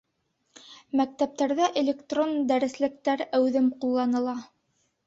Мәктәптәрҙә электрон дәреслектәр әүҙем ҡулланыла.